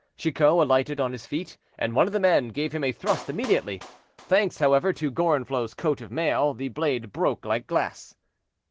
Chicot alighted on his feet, and one of the men gave him a thrust immediately. Thanks, however, to Gorenflot's coat of mail, the blade broke like glass.